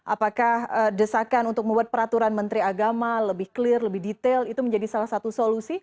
apakah desakan untuk membuat peraturan menteri agama lebih clear lebih detail itu menjadi salah satu solusi